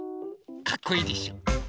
かっこいいでしょ！